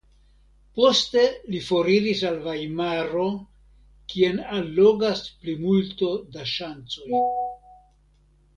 Poste li foriris al Vajmaro kien allogas plimulto da ŝancoj.